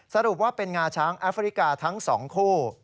สรุปว่าเป็นงาช้างแอฟริกาทั้ง๒คู่